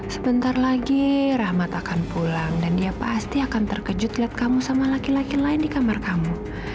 sebentar lagi rahmat akan pulang dan dia pasti akan terkejut lihat kamu sama laki laki lain di kamar kamu